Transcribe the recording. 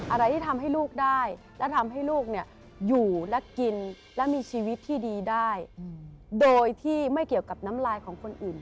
อะไรที่ทำให้ลูกได้และทำให้ลูกเนี่ยอยู่และกินและมีชีวิตที่ดีได้โดยที่ไม่เกี่ยวกับน้ำลายของคนอื่น